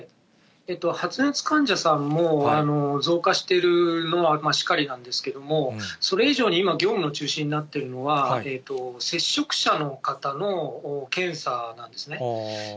発熱患者さんも増加しているのはしかりなんですけども、それ以上に今、業務の中心になっているのは、接触者の方の検査なんですね。